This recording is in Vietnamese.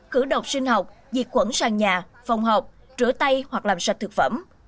khử độc sinh học diệt khuẩn sang nhà phòng học rửa tay hoặc làm sạch thực phẩm